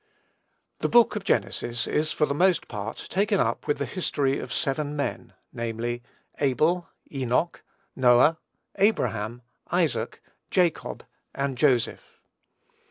The book of Genesis is, for the most part, taken up with the history of seven men, namely, Abel, Enoch, Noah, Abraham, Isaac, Jacob, and Joseph.